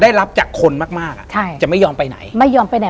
ได้รับจากคนมากมากอ่ะใช่จะไม่ยอมไปไหนไม่ยอมไปไหน